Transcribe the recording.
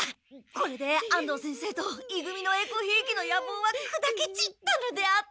これで安藤先生とい組のえこひいきの野望はくだけちったのであった。